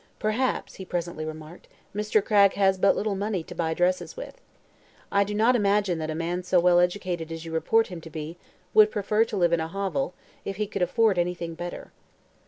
"Perhaps," he presently remarked, "Mr. Cragg has but little money to buy dresses with. I do not imagine that a man so well educated as you report him to be would prefer to live in a hovel, if he could afford anything better."